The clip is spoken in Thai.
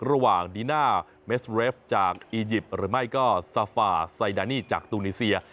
ระหว่างดีน่าเมสเรฟจากอียิปต์หรือไม่ก็ซาฟาไซดานี่จากตูนีเซีย